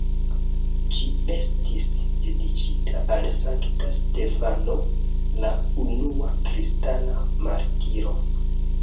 Ĝi estis dediĉita al Sankta Stefano, la unua kristana martiro.